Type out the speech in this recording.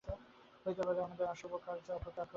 হইতে পারে আমাদের অশুভ কার্য অপরকে আক্রমণ করিবে।